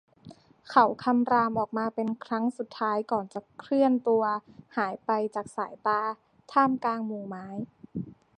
เขาคำรามออกมาเป็นครั้งสุดท้ายก่อนจะเคลื่อนตัวหายไปจากสายตาท่ามกลางหมู่ไม้